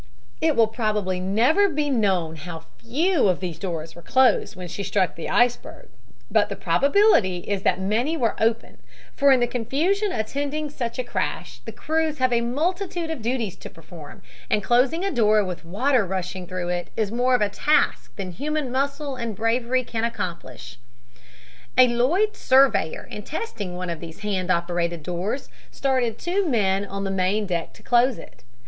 It will probably never be known how FEW of these doors were closed when she struck the iceberg, but the probability is that many were open, for in the confusion attending such a crash the crews have a multitude of duties to perform, and closing a door with water rushing through it is more of a task than human muscle and bravery can accomplish. "A Lloyds surveyor in testing one of these hand operated doors started two men on the main deck to close it.